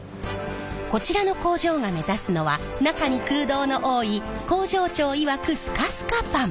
こちらの工場が目指すのは中に空洞の多い工場長いわく